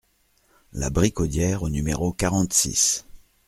La Bricaudière au numéro quarante-six